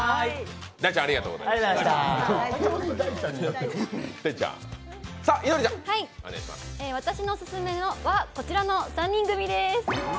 大ちゃん、ありがとうございました私のオススメはこちらの３人組です。